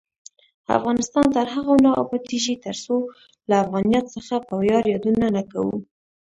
افغانستان تر هغو نه ابادیږي، ترڅو له افغانیت څخه په ویاړ یادونه نه کوو.